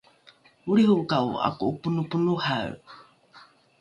olriho’oka’o ’ako’oponoponohae?